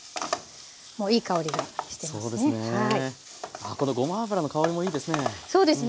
あこのごま油の香りもいいですね。